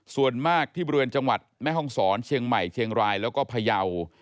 ส่วนมากที่บริเวณจังหวัดแม่ห้องศรเชียงใหม่เชียงรายแล้วก็พยาว